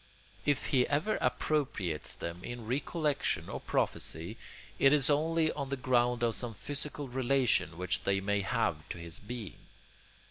If he ever appropriates them in recollection or prophecy, it is only on the ground of some physical relation which they may have to his being.